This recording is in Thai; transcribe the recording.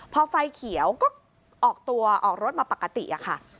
พอไฟเขียวก็ออกตัวออกรถมาปกติค่ะ